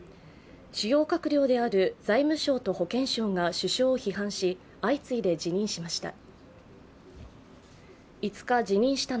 主要閣僚である財務相と保健相が首相を批判し相次いで辞任しました。